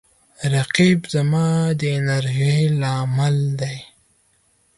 رقیب زما د انرژۍ لامل دی